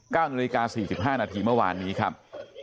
๙นาฬิกา๔๕นาทีเมื่อวานนี้ครับ